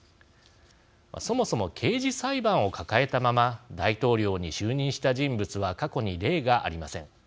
そもそも刑事裁判を抱えたまま大統領に就任した人物は過去に例がありません。